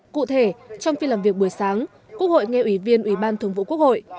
cụ thể trong phiên làm việc buổi sáng quốc hội nghe ủy viên ủy ban thường vụ quốc hội